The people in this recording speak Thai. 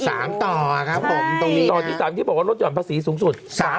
ต่อครับผมตรงนี้ต่อที่สามที่บอกว่าลดห่อนภาษีสูงสุดสาม